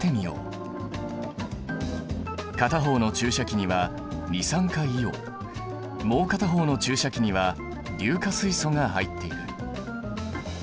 片方の注射器には二酸化硫黄もう片方の注射器には硫化水素が入っている。